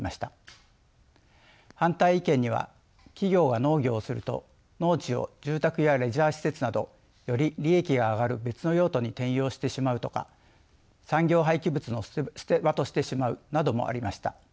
反対意見には企業が農業をすると農地を住宅やレジャー施設などより利益が上がる別の用途に転用してしまうとか産業廃棄物の捨て場としてしまうなどもありました。